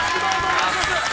◆お願いします。